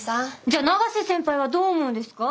じゃあ永瀬先輩はどう思うんですか？